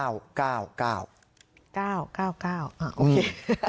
โอเค